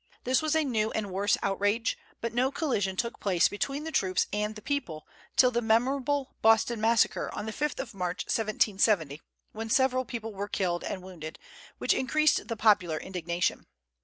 This was a new and worse outrage, but no collision took place between the troops and the people till the memorable "Boston Massacre" on the 5th of March, 1770, when several people were killed and wounded, which increased the popular indignation.